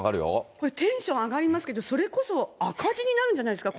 これ、テンション上がりますけど、それこそ赤字になるんじゃないですか？